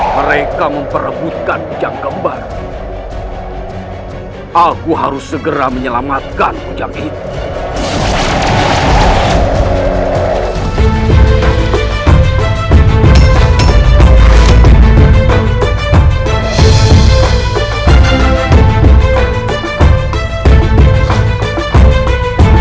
mereka memperebutkan yang kembar aku harus segera menyelamatkan hujan itu